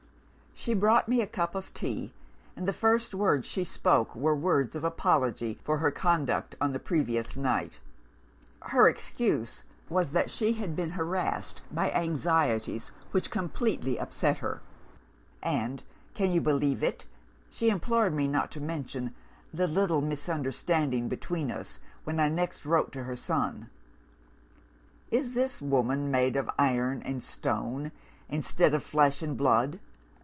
"She brought me a cup of tea; and the first words she spoke were words of apology for her conduct on the previous night. Her excuse was that she had been 'harassed by anxieties which completely upset her.' And can you believe it? she implored me not to mention 'the little misunderstanding between us when I next wrote to her son!' Is this woman made of iron and stone, instead of flesh and blood?